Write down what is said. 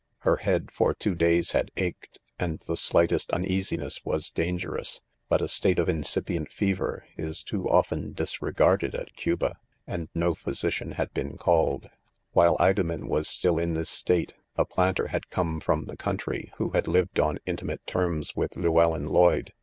Her head, for two days> had ached, and the slightest uneasiness was dangerous | but a state of incipient fever, is too often disregarded at Cuba, and 110 physi cian had been called. '' "While Idomen was still in this state, a planter had come from the country who had lived on intimate terms with Llewellyn Lloyd